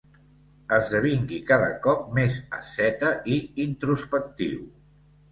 Esdevingui cada cop més asceta i introspectiu.